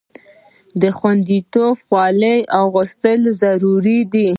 د خوندیتوب خولۍ اغوستل ضروري دي.